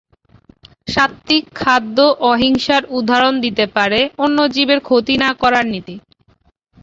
সাত্ত্বিক খাদ্য অহিংসার উদাহরণ দিতে পারে, অন্য জীবের ক্ষতি না করার নীতি।